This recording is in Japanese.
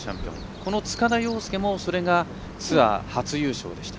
この塚田陽亮もそれがツアー初優勝でした。